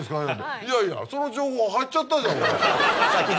いやいやその情報入っちゃったじゃん。